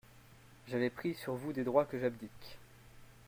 J'avais pris sur vous des droits que j'abdique.